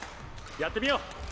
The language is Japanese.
やってみよう。